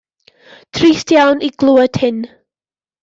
Trist iawn i glywed hyn.